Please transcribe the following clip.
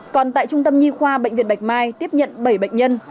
còn tại trung tâm nhi khoa bệnh viện bạch mai tiếp nhận bảy bệnh nhân